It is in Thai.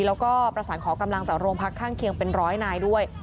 แล้วก็ประสานขอกำลังจากโรงพักข้างเคียงเป็นร้อยนายด้วย